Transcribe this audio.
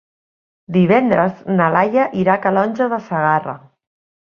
Divendres na Laia irà a Calonge de Segarra.